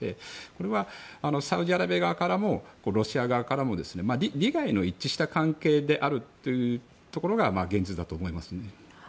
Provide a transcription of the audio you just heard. これはサウジアラビア側からもロシア側からも利害の一致した関係であるというところが現実だと思いますね。